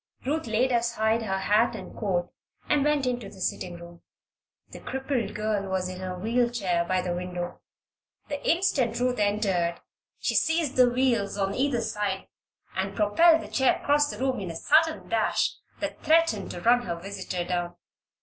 Ruth laid aside her hat and coat and went into the sitting room. The crippled girl was in her wheel chair by the window. The instant Ruth entered she seized the wheels on either side and propelled the chair across the room in a sudden dash that threatened to run her visitor down.